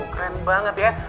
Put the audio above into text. keren banget ya